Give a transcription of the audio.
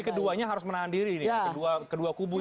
jadi keduanya harus menahan diri kedua kubu ini